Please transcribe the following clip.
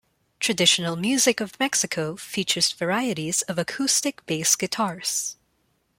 Traditional music of Mexico features varieties of acoustic bass guitars.